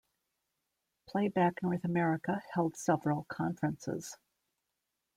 Playback North America held several conferences.